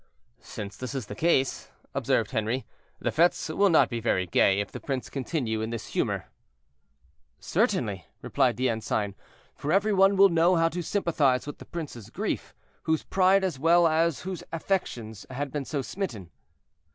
"Since this is the case," observed Henri, "the fetes will not be very gay if the prince continue in this humor." "Certainly," replied the ensign, "for every one will know how to sympathize with the prince's grief, whose pride as well as whose affections had been so smitten."